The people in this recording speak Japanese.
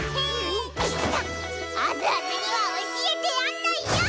アズアズには教えてやんないよ！